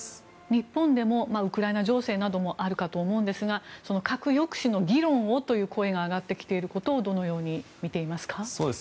日本でもウクライナ情勢などもあるかと思うんですが核抑止の議論をという声が上がってきていることをどのように見ていますか？